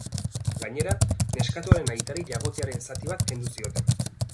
Gainera, neskatoaren aitari jagotearen zati bat kendu zioten.